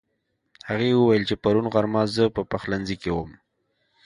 هغې وويل چې پرون غرمه زه په پخلنځي کې وم